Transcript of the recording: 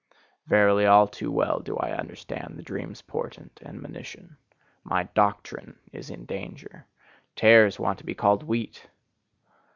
Verily, all too well do I understand the dream's portent and monition: my DOCTRINE is in danger; tares want to be called wheat!